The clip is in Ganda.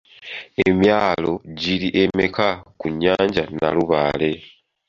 Emyalo giri emeka ku nnyanja Nalubaale?